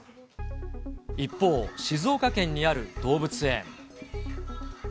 一方、静岡県にある動物園。